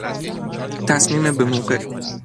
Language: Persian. تصمیم بموقع